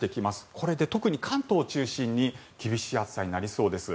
これで特に関東を中心に厳しい暑さになりそうです。